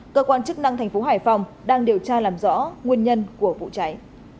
cơ quan chức năng thành phố hải phòng đang điều tra làm rõ nguyên nhân của vụ cháy